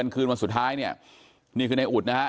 คืนวันสุดท้ายเนี่ยนี่คือในอุดนะฮะ